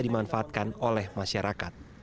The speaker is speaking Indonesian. dimanfaatkan oleh masyarakat